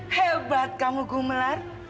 hebat kamu gumelar